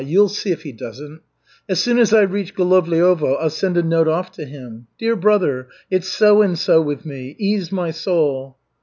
You'll see if he doesn't. As soon as I reach Golovliovo, I'll send a note off to him: 'Dear brother, it's so and so with me. Ease my soul.'